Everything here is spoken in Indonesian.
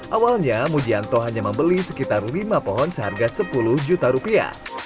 awalnya mujianto hanya membeli sekitar lima pohon seharga sepuluh juta rupiah